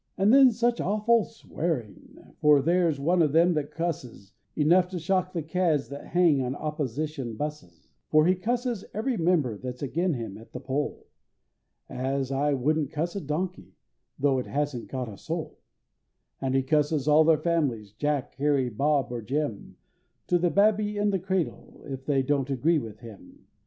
And then such awful swearing! for there's one of them that cusses Enough to shock the cads that hang on opposition 'busses; For he cusses every member that's agin him at the poll, As I wouldn't cuss a donkey, tho' it hasn't got a soul; And he cusses all their families, Jack, Harry, Bob or Jim, To the babby in the cradle, if they don't agree with him.